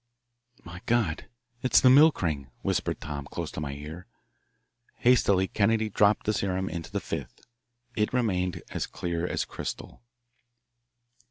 "My God, it's the milk ring!" whispered Tom close to my ear. Hastily Kennedy dropped the serum into the fifth. It remained as clear as crystal.